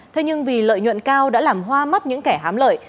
thế nhưng vì lợi nhuận cao đã làm hoa mắt những kẻ hám lợi